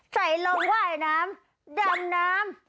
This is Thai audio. ใส่ลงว่ายน้ำดำน้ำ